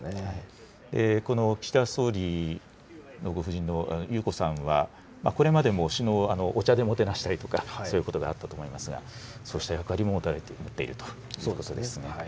この岸田総理のご夫人の裕子さんは、これまでも首脳をお茶でもてなしたりとか、そういうことがあったと思いますが、そうした役割も担っているということです。